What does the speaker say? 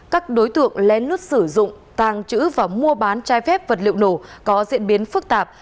các đối tượng len lút sử dụng tàng trữ và mua bán chai phép vật liệu nổ có diễn biến phức tạp